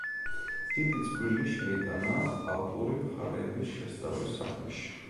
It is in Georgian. დიდი წვლილი შეიტანა ალპური მხარეების შესწავლის საქმეში.